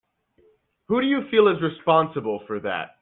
Who do you feel is responsible for that?